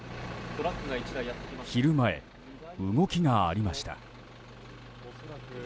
昼前、動きがありました。